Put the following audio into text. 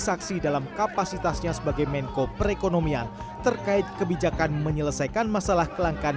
saksi dalam kapasitasnya sebagai menko perekonomian terkait kebijakan menyelesaikan masalah kelangkaan